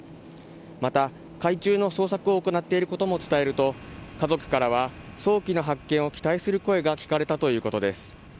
また、海中の捜索を行っていることも伝えると家族からは早期の発見を期待する声が聞かれたということです。